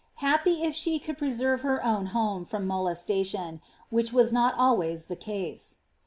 Happy if she could preserve her own home from molestation — which was not always the case.